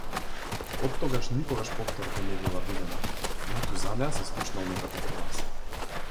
Оттогаш никогаш повторно не била видена, ниту за неа се слушнал некаков глас.